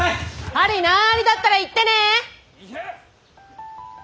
針難ありだったら言ってね。